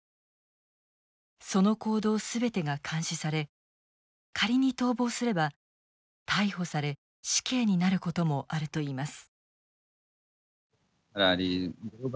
その行動全てが監視され仮に逃亡すれば逮捕され死刑になることもあるといいます。